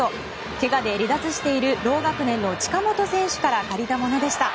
けがで離脱している同学年の近本選手から借りたものでした。